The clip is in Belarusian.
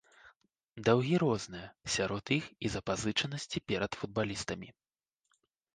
Даўгі розныя, сярод іх і запазычанасці перад футбалістамі.